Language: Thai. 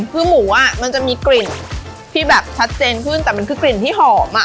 คือหมูอ่ะมันจะมีกลิ่นที่แบบชัดเจนขึ้นแต่มันคือกลิ่นที่หอมอ่ะ